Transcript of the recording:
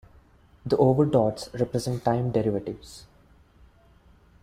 The over-dots represent time derivatives.